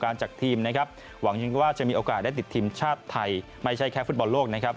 อารีน่าในวันที่สี่มีนาคมนี้นะครับ